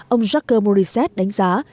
ông jacques morissette đánh giá